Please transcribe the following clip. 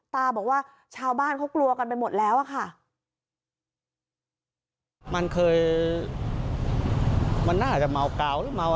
ตาบอกว่าชาวบ้านเขากลัวกันไปหมดแล้วอะค่ะ